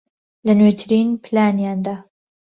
لە نوێترین پلانیاندا